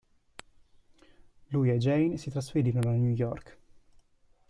Lui e Jane si trasferirono a New York.